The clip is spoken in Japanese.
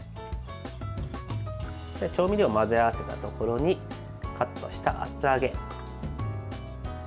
調味料を混ぜ合わせたところにカットした厚揚げ。